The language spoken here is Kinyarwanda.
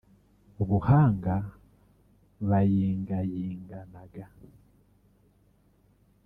mu buhanga bayingayinganaga